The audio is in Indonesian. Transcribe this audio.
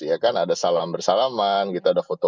ya kan ada salam bersalaman gitu ada foto